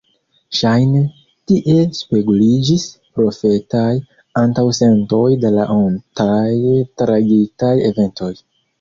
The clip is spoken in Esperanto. Ŝajne, tie speguliĝis profetaj antaŭsentoj de la ontaj tragikaj eventoj.